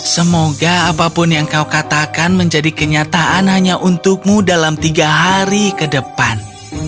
semoga apapun yang kau katakan menjadi kenyataan hanya untukmu dalam tiga hari ke depan